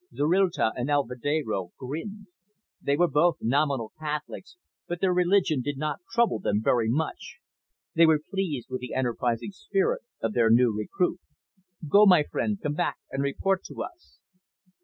Zorrilta and Alvedero grinned. They were both nominal Catholics, but their religion did not trouble them very much. They were pleased with the enterprising spirit of their new recruit. "Go my friend, come back and report to us."